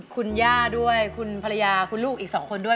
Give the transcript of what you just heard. คุณย่าด้วยคุณภรรยาคุณลูกอีก๒คนด้วย